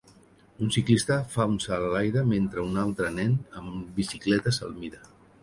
Un ciclista fa un salt a l'aire mentre un altre nen amb bicicleta se'l mira.